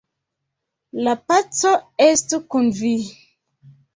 La paco estu kun vi!